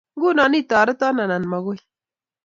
Nguno, itoreto anan magoy?